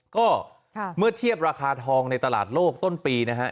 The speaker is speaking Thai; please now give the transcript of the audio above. ก็เมื่อเทียบราคาทองในตลาดโลกต้นปีนะฮะ